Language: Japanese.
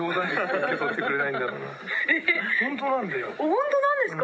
「ホントなんですか？